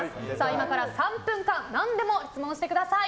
今から３分間何でも質問してください。